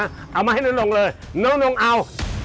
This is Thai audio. เอามาให้น้อยลงเลยน้อยลงเอา